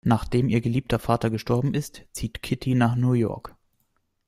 Nachdem ihr geliebter Vater gestorben ist, zieht Kitty nach New York.